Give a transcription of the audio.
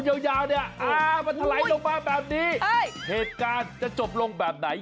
เสาปูยาวเนี่ยเมื่อไถและลงมาแบบนี้เหตุการณ์จะจบลงแบบไหน